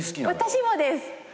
私もです。